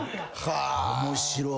面白い。